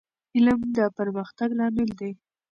علم د پرمختګ لامل دی.